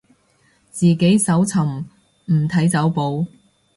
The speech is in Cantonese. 自己搜尋，唔睇走寶